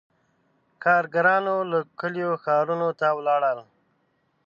• کارګرانو له کلیو ښارونو ته ولاړل.